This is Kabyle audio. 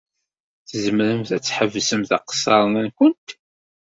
Tzemremt ad tḥebsemt aqeṣṣeṛ-nkent?